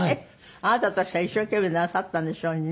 あなたとしては一生懸命なさったんでしょうにね。